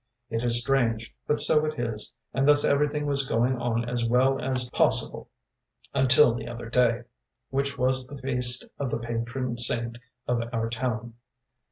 “It is strange, but so it is, and thus everything was going on as well as possible until the other day, which was the feast of the patron saint of our town.